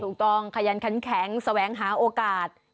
ถูกต้องขยันแข็งแสวงหาโอกาส